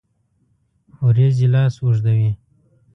اوریځې لاس اوږدوي